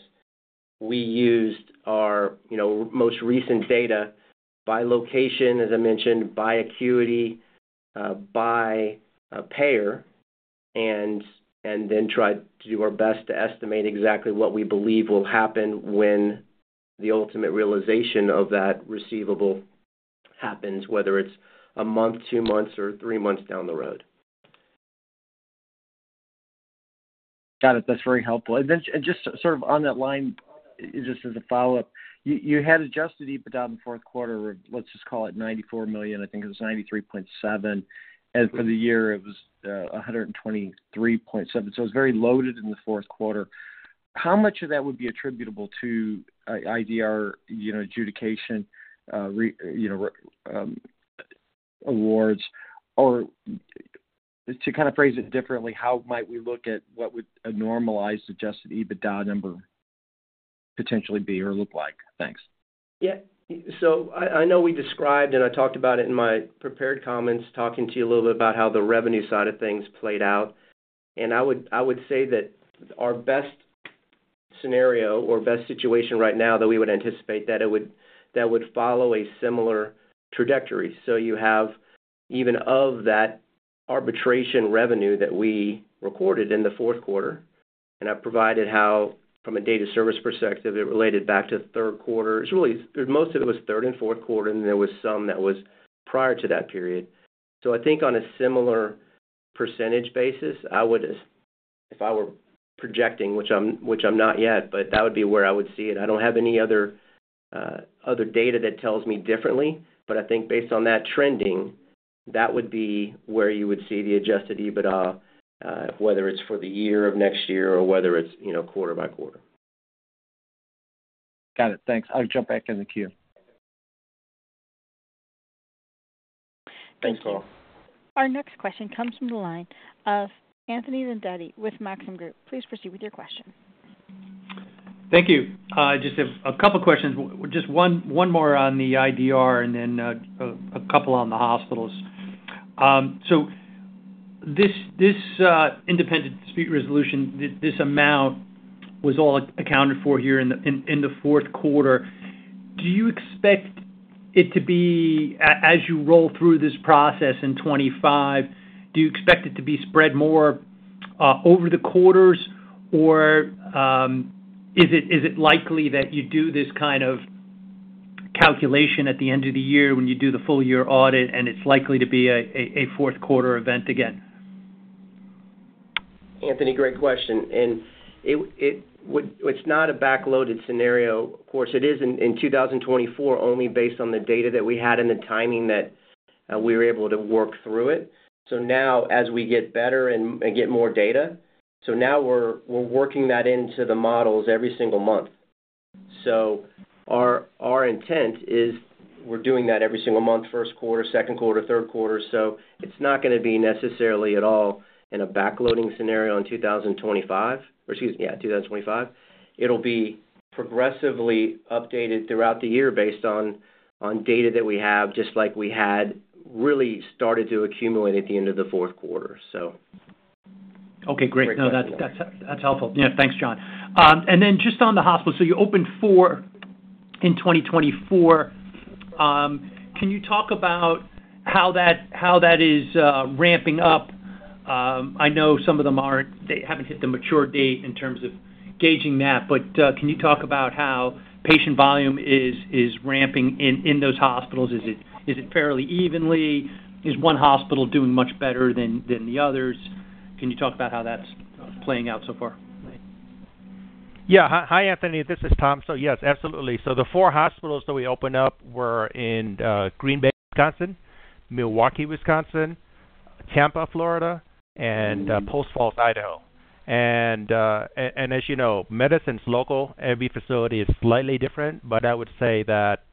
We used our most recent data by location, as I mentioned, by acuity, by payer, and then tried to do our best to estimate exactly what we believe will happen when the ultimate realization of that receivable happens, whether it's a month, two months, or three months down the road. Got it. That's very helpful. Just sort of on that line, just as a follow-up, you had adjusted EBITDA in the fourth quarter of, let's just call it $94 million. I think it was $93.7 million. And for the year, it was $123.7 million. It was very loaded in the fourth quarter. How much of that would be attributable to IDR adjudication awards? Or to kind of phrase it differently, how might we look at what would a normalized adjusted EBITDA number potentially be or look like? Thanks. Yep. I know we described, and I talked about it in my prepared comments, talking to you a little bit about how the revenue side of things played out. I would say that our best scenario or best situation right now that we would anticipate, that would follow a similar trajectory. You have even of that arbitration revenue that we recorded in the fourth quarter, and I've provided how, from a data service perspective, it related back to third quarter. Most of it was third and fourth quarter, and there was some that was prior to that period. I think on a similar percentage basis, if I were projecting, which I'm not yet, but that would be where I would see it. I don't have any other data that tells me differently, but I think based on that trending, that would be where you would see the adjusted EBITDA, whether it's for the year of next year or whether it's quarter-by-quarter. Got it. Thanks. I'll jump back in the queue. Thanks, Carl. Our next question comes from the line of Anthony Vendetti with Maxim Group. Please proceed with your question. Thank you. Just a couple of questions. Just one more on the IDR and then a couple on the hospitals. So this independent dispute resolution, this amount was all accounted for here in the fourth quarter. Do you expect it to be, as you roll through this process in 2025, do you expect it to be spread more over the quarters, or is it likely that you do this kind of calculation at the end of the year when you do the full-year audit, and it's likely to be a fourth quarter event again? Anthony, great question. It's not a backloaded scenario. Of course, it is in 2024 only based on the data that we had and the timing that we were able to work through it. Now, as we get better and get more data, now we're working that into the models every single month. Our intent is we're doing that every single month, first quarter, second quarter, third quarter. It's not going to be necessarily at all in a backloading scenario in 2025, or excuse me, yeah, 2025. It'll be progressively updated throughout the year based on data that we have, just like we had really started to accumulate at the end of the fourth quarter. Okay. Great. No, that's helpful. Yeah. Thanks, Jon. And then just on the hospitals, you opened four in 2024. Can you talk about how that is ramping up? I know some of them aren't—they haven't hit the mature date in terms of gauging that. Can you talk about how patient volume is ramping in those hospitals? Is it fairly evenly? Is one hospital doing much better than the others? Can you talk about how that's playing out so far? Yeah. Hi, Anthony. This is Tom. Yes, absolutely. The four hospitals that we opened up were in Green Bay, Wisconsin, Milwaukee, Wisconsin, Tampa, Florida, and Post Falls, Idaho. As you know, medicine's local. Every facility is slightly different. I would say that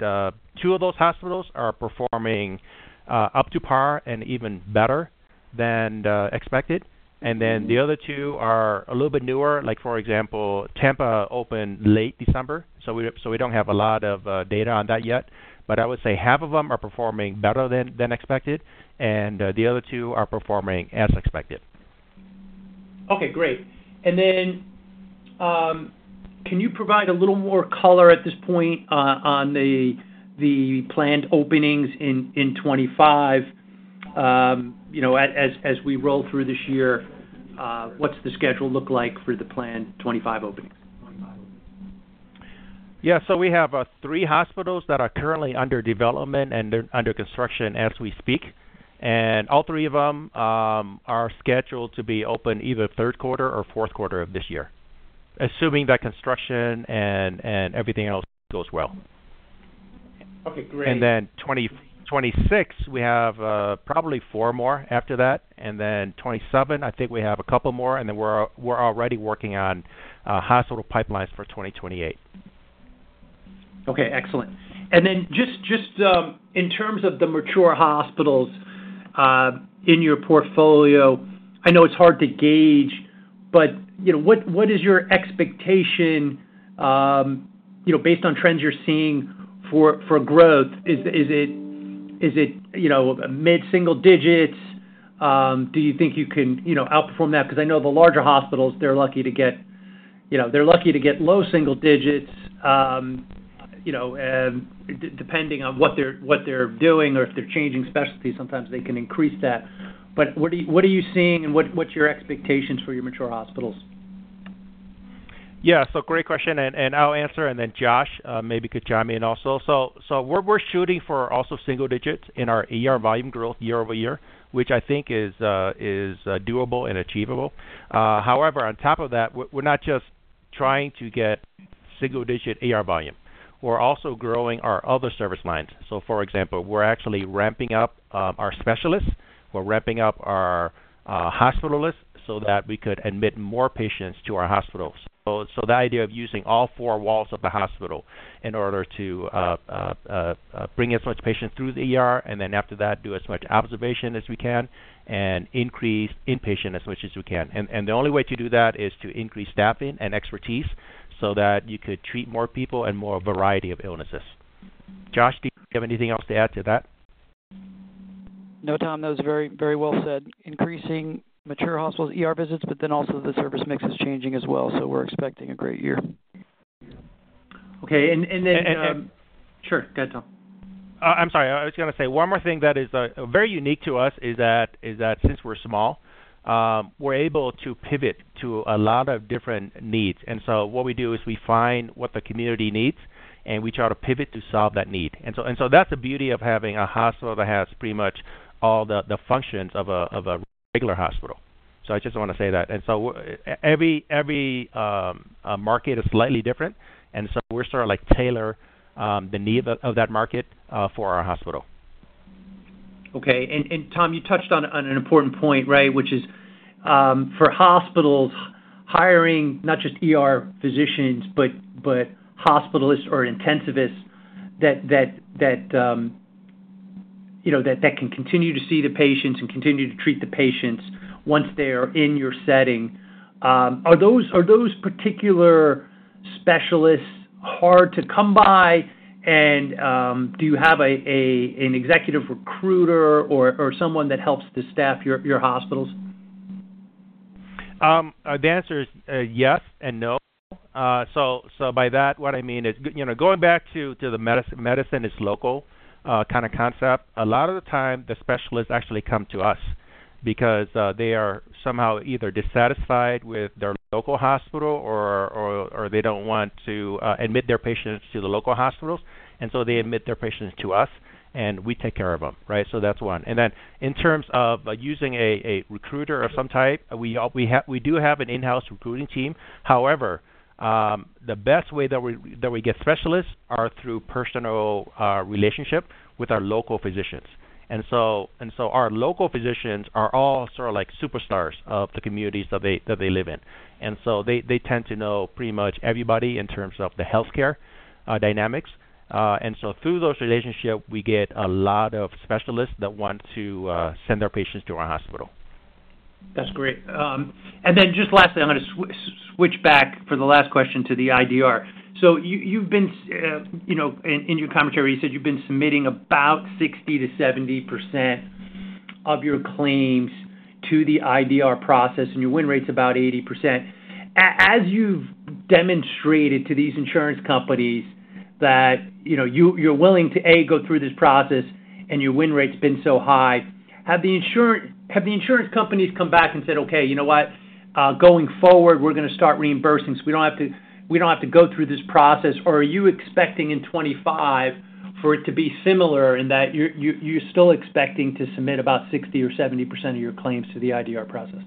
two of those hospitals are performing up to par and even better than expected. The other two are a little bit newer. For example, Tampa opened late December, so we don't have a lot of data on that yet. I would say half of them are performing better than expected, and the other two are performing as expected. Okay. Great. Can you provide a little more color at this point on the planned openings in 2025 as we roll through this year? What's the schedule look like for the planned 2025 openings? Yeah. We have three hospitals that are currently under development and under construction as we speak. All three of them are scheduled to be open either third quarter or fourth quarter of this year, assuming that construction and everything else goes well. Okay. Great. In 2026, we have probably four more after that. In 2027, I think we have a couple more. We are already working on hospital pipelines for 2028. Okay. Excellent. Just in terms of the mature hospitals in your portfolio, I know it's hard to gauge, but what is your expectation based on trends you're seeing for growth? Is it mid-single digits? Do you think you can outperform that? I know the larger hospitals, they're lucky to get—they're lucky to get low single digits. Depending on what they're doing or if they're changing specialties, sometimes they can increase that. What are you seeing, and what's your expectations for your mature hospitals? Yeah. Great question, and I'll answer. Then Josh maybe could chime in also. We're shooting for also single digits in our volume growth year over year, which I think is doable and achievable. However, on top of that, we're not just trying to get single-digit volume. We're also growing our other service lines. For example, we're actually ramping up our specialists. We're ramping up our hospitalists so that we could admit more patients to our hospitals. The idea is using all four walls of the hospital in order to bring as much patients through, and then after that, do as much observation as we can and increase inpatient as much as we can. The only way to do that is to increase staffing and expertise so that you could treat more people and more variety of illnesses. Josh, do you have anything else to add to that? No, Tom. That was very well said. Increasing mature hospitals' visits, but then also the service mix is changing as well. We are expecting a great year. Okay. Sure. Go ahead, Tom. I'm sorry. I was going to say one more thing that is very unique to us is that since we are small, we are able to pivot to a lot of different needs. What we do is we find what the community needs, and we try to pivot to solve that need. That is the beauty of having a hospital that has pretty much all the functions of a regular hospital. I just want to say that. Every market is slightly different. We are sort of tailoring the need of that market for our hospital. Okay. Tom, you touched on an important point, right, which is for hospitals hiring not just physicians, but hospitalists or intensivists that can continue to see the patients and continue to treat the patients once they are in your setting. Are those particular specialists hard to come by? Do you have an executive recruiter or someone that helps to staff your hospitals? The answer is yes and no. By that, what I mean is going back to the medicine is local kind of concept. A lot of the time, the specialists actually come to us because they are somehow either dissatisfied with their local hospital or they do not want to admit their patients to the local hospitals. They admit their patients to us, and we take care of them, right? That is one. In terms of using a recruiter of some type, we do have an in-house recruiting team. However, the best way that we get specialists is through a personal relationship with our local physicians. Our local physicians are all sort of like superstars of the communities that they live in. They tend to know pretty much everybody in terms of the healthcare dynamics. Through those relationships, we get a lot of specialists that want to send their patients to our hospital. That is great. Just lastly, I am going to switch back for the last question to the IDR. You said in your commentary, you said you've been submitting about 60-70% of your claims to the IDR process, and your win rate's about 80%. As you've demonstrated to these insurance companies that you're willing to, A, go through this process, and your win rate's been so high, have the insurance companies come back and said, "Okay, you know what? Going forward, we're going to start reimbursing so we don't have to go through this process"? Or are you expecting in 2025 for it to be similar in that you're still expecting to submit about 60-70% of your claims to the IDR process?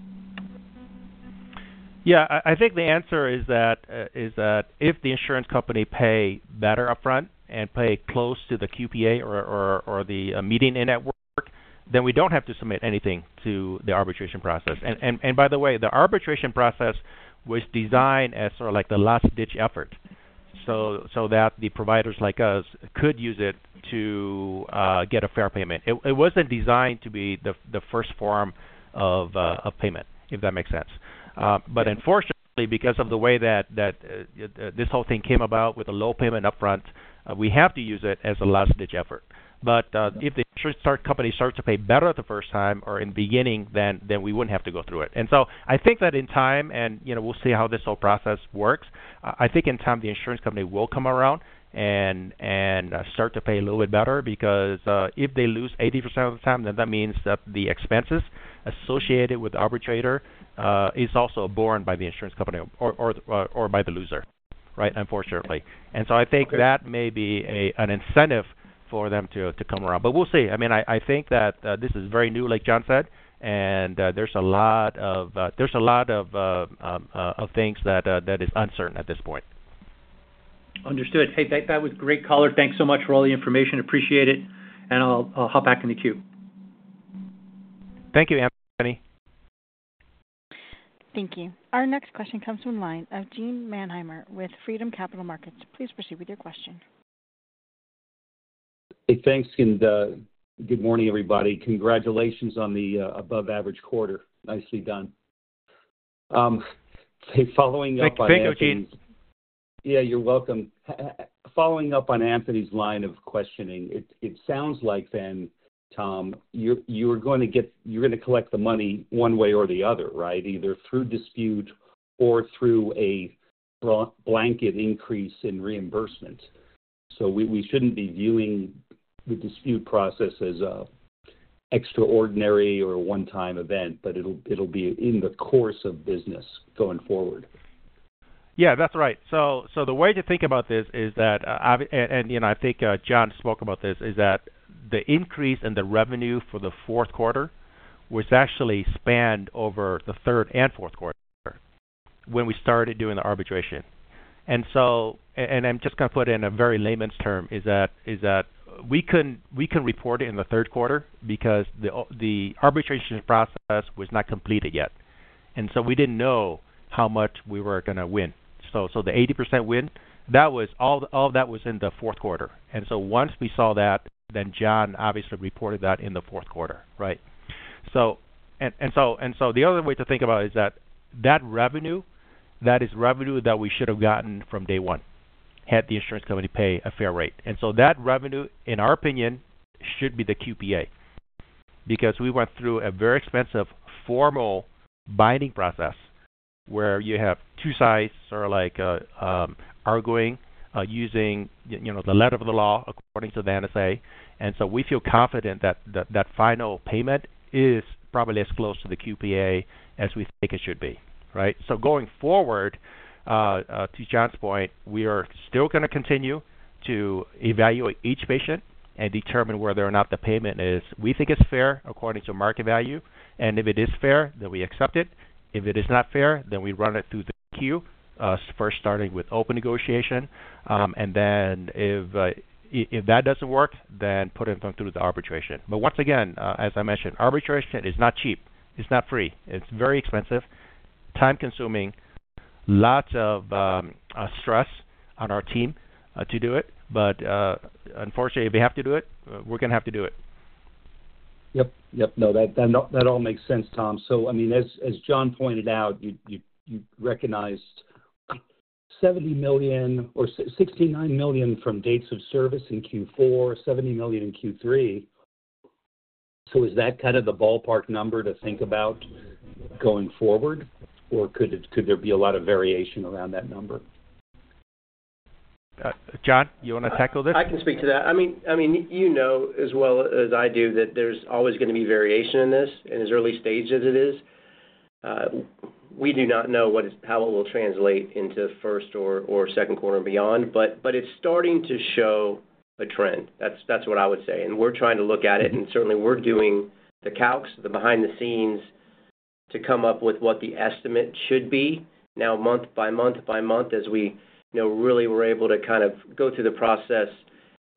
Yeah. I think the answer is that if the insurance company pays better upfront and pays close to the QPA or the median network, then we don't have to submit anything to the arbitration process. The arbitration process was designed as sort of like the last-ditch effort so that the providers like us could use it to get a fair payment. It was not designed to be the first form of payment, if that makes sense. Unfortunately, because of the way that this whole thing came about with a low payment upfront, we have to use it as a last-ditch effort. If the insurance company starts to pay better the first time or in the beginning, then we would not have to go through it. I think that in time, and we'll see how this whole process works, I think in time, the insurance company will come around and start to pay a little bit better because if they lose 80% of the time, then that means that the expenses associated with the arbitrator are also borne by the insurance company or by the loser, right, unfortunately. I think that may be an incentive for them to come around. We'll see. I mean, I think that this is very new, like Jon said, and there are a lot of things that are uncertain at this point. Understood. Hey, that was great color. Thanks so much for all the information. Appreciate it. I'll hop back in the queue. Thank you, Anthony. Thank you. Our next question comes from Gene Mannheimer with Freedom Capital Markets. Please proceed with your question. Hey, thanks. And good morning, everybody. Congratulations on the above-average quarter. Nicely done. Following up on Anthony's. Thank you, Gene. Yeah, you're welcome. Following up on Anthony's line of questioning, it sounds like then, Tom, you're going to get you're going to collect the money one way or the other, right, either through dispute or through a blanket increase in reimbursement. So we shouldn't be viewing the dispute process as an extraordinary or a one-time event, but it'll be in the course of business going forward. Yeah, that's right. The way to think about this is that, and I think Jon spoke about this, is that the increase in the revenue for the fourth quarter was actually spanned over the third and fourth quarter when we started doing the arbitration. I'm just going to put it in very layman's terms is that we couldn't report it in the third quarter because the arbitration process was not completed yet. We didn't know how much we were going to win. The 80% win, all of that was in the fourth quarter. Once we saw that, then Jon obviously reported that in the fourth quarter, right? The other way to think about it is that that revenue, that is revenue that we should have gotten from day one had the insurance company paid a fair rate. That revenue, in our opinion, should be the QPA because we went through a very expensive formal binding process where you have two sides sort of like arguing using the letter of the law according to the NSA. We feel confident that that final payment is probably as close to the QPA as we think it should be, right? Going forward, to Jon's point, we are still going to continue to evaluate each patient and determine whether or not the payment is we think is fair according to market value. If it is fair, then we accept it. If it is not fair, then we run it through the queue, first starting with open negotiation. If that does not work, then put it through the arbitration. Once again, as I mentioned, arbitration is not cheap. It is not free. It is very expensive, time-consuming, lots of stress on our team to do it. Unfortunately, if we have to do it, we are going to have to do it. Yep. Yep. No, that all makes sense, Tom. I mean, as Jon pointed out, you recognized $70 million or $69 million from dates of service in Q4, $70 million in Q3. Is that kind of the ballpark number to think about going forward, or could there be a lot of variation around that number? Jon, you want to tackle this? I can speak to that. I mean, you know as well as I do that there's always going to be variation in this. In as early stages as it is, we do not know how it will translate into first or second quarter and beyond. It is starting to show a trend. That is what I would say. We are trying to look at it, and certainly, we are doing the calcs, the behind-the-scenes to come up with what the estimate should be. Now, month-by-month, as we really were able to kind of go through the process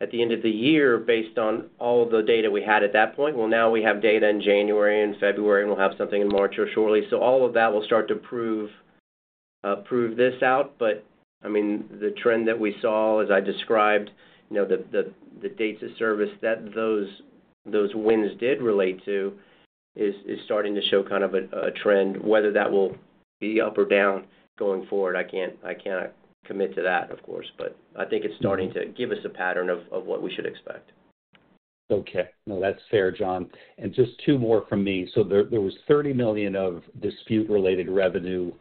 at the end of the year based on all the data we had at that point, now we have data in January and February, and we'll have something in March or shortly. All of that will start to prove this out. I mean, the trend that we saw, as I described, the dates of service that those wins did relate to is starting to show kind of a trend. Whether that will be up or down going forward, I can't commit to that, of course. I think it's starting to give us a pattern of what we should expect. Okay. No, that's fair, Jon. Just two more from me. There was $30 million of dispute-related revenue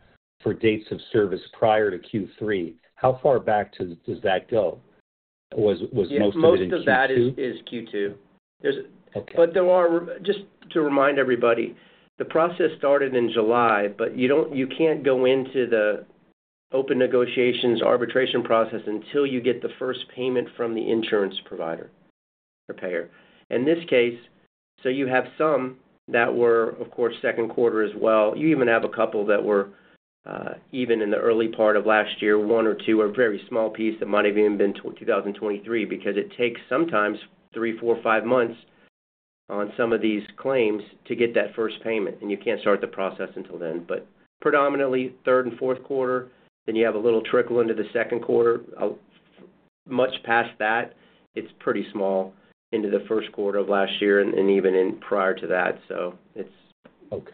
for dates of service prior to Q3. How far back does that go? Was most of it in Q2? Most of that is Q2. Just to remind everybody, the process started in July, but you cannot go into the open negotiations arbitration process until you get the first payment from the insurance provider or payer. In this case, you have some that were, of course, second quarter as well. You even have a couple that were in the early part of last year. One or two are a very small piece. It might have even been 2023 because it takes sometimes three, four, five months on some of these claims to get that first payment. You cannot start the process until then. Predominantly third and fourth quarter, then you have a little trickle into the second quarter. Much past that, it's pretty small into the first quarter of last year and even prior to that. It's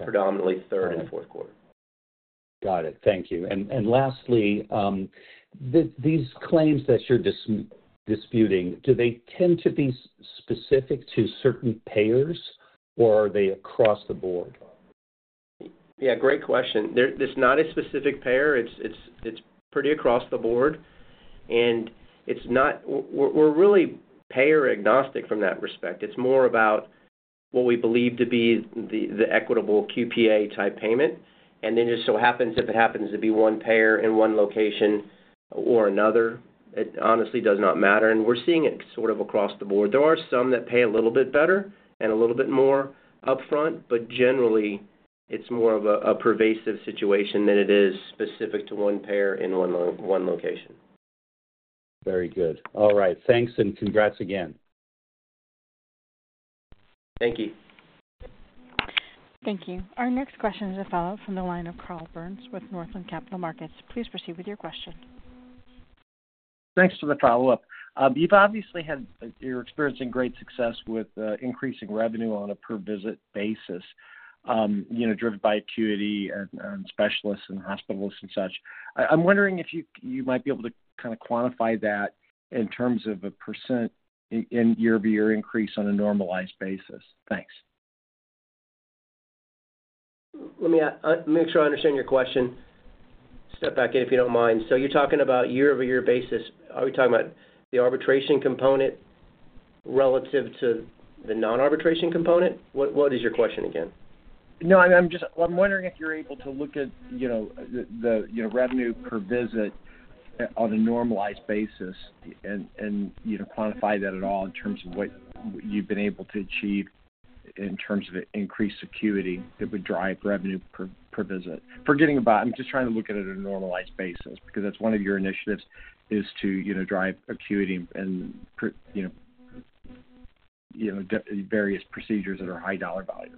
predominantly third and fourth quarter. Got it. Thank you. Lastly, these claims that you're disputing, do they tend to be specific to certain payers, or are they across the board? Yeah, great question. There's not a specific payer. It's pretty across the board. We're really payer-agnostic from that respect. It's more about what we believe to be the equitable QPA-type payment. It just so happens if it happens to be one payer in one location or another, it honestly does not matter. We're seeing it sort of across the board. There are some that pay a little bit better and a little bit more upfront, but generally, it's more of a pervasive situation than it is specific to one payer in one location. Very good. All right. Thanks and congrats again. Thank you. Thank you. Our next question is a follow-up from the line of Carl Byrnes with Northland Capital Markets. Please proceed with your question. Thanks for the follow-up. You've obviously had you're experiencing great success with increasing revenue on a per-visit basis driven by acuity and specialists and hospitalists and such. I'm wondering if you might be able to kind of quantify that in terms of a % in year-over-year increase on a normalized basis. Thanks. Let me make sure I understand your question. Step back in if you don't mind. You're talking about year-over-year basis. Are we talking about the arbitration component relative to the non-arbitration component? What is your question again? No, I'm just wondering if you're able to look at the revenue per visit on a normalized basis and quantify that at all in terms of what you've been able to achieve in terms of increased acuity that would drive revenue per visit. Forgetting about, I'm just trying to look at it on a normalized basis because that's one of your initiatives is to drive acuity and various procedures that are high dollar value.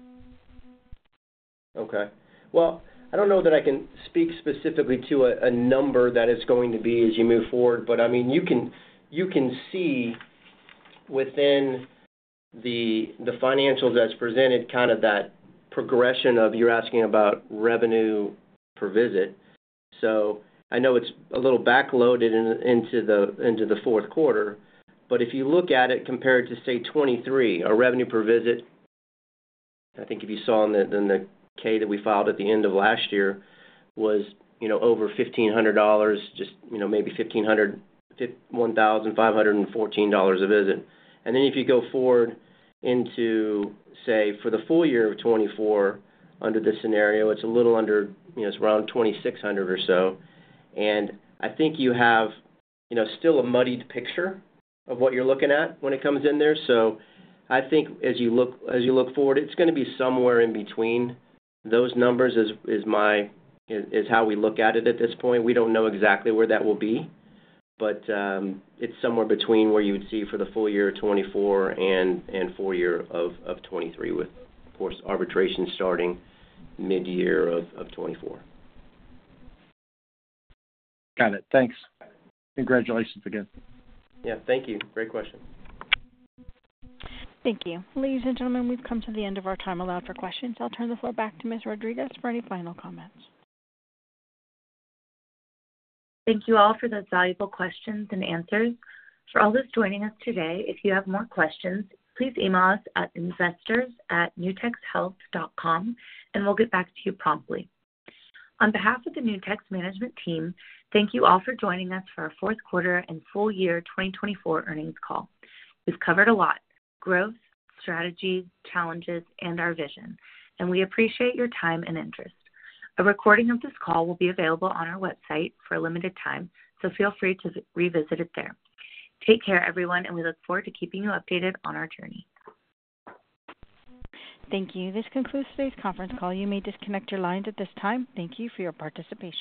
Okay. I don't know that I can speak specifically to a number that is going to be as you move forward, but I mean, you can see within the financials that's presented kind of that progression of you're asking about revenue per visit. I know it's a little backloaded into the fourth quarter, but if you look at it compared to, say, 2023, our revenue per visit, I think if you saw in the K that we filed at the end of last year was over $1,500, just maybe $1,514 a visit. If you go forward into, say, for the full year of 2024, under this scenario, it's a little under, it's around $2,600 or so. I think you have still a muddied picture of what you're looking at when it comes in there. I think as you look forward, it's going to be somewhere in between those numbers is how we look at it at this point. We don't know exactly where that will be, but it's somewhere between where you would see for the full year of 2024 and full year of 2023 with, of course, arbitration starting mid-year of 2024. Got it. Thanks. Congratulations again. Yeah. Thank you. Great question. Thank you. Ladies and gentlemen, we've come to the end of our time allowed for questions. I'll turn the floor back to Ms. Rodriguez for any final comments. Thank you all for those valuable questions and answers. For all those joining us today, if you have more questions, please email us at investors@nutexhealth.com, and we'll get back to you promptly. On behalf of the Nutex Management Team, thank you all for joining us for our fourth quarter and full year 2024 earnings call. We've covered a lot: growth, strategies, challenges, and our vision. We appreciate your time and interest. A recording of this call will be available on our website for a limited time, so feel free to revisit it there. Take care, everyone, and we look forward to keeping you updated on our journey. Thank you. This concludes today's conference call. You may disconnect your lines at this time. Thank you for your participation.